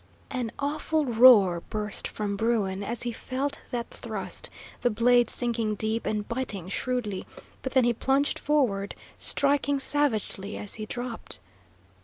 An awful roar burst from bruin as he felt that thrust, the blade sinking deep and biting shrewdly; but then he plunged forward, striking savagely as he dropped.